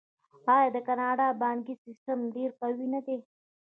آیا د کاناډا بانکي سیستم ډیر قوي نه دی؟